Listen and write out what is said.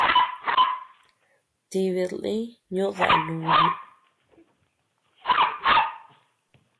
Tibid lï ñò daʼa núni.